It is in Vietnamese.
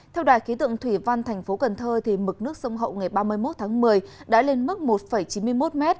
theo đài khí tượng thủy văn thành phố cần thơ mực nước sông hậu ngày ba mươi một tháng một mươi đã lên mức một chín mươi một m